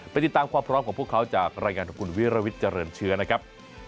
ติดตามความพร้อมของพวกเขาจากรายงานของคุณวิรวิทย์เจริญเชื้อนะครับ